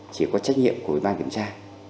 chỉ có trách nhiệm của ban kiểm tra